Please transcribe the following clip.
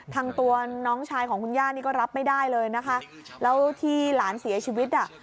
ทางตัวน้องชายของคุณย่านี่ก็รับไม่ได้เลยนะคะแล้วที่หลานเสียชีวิตอ่ะ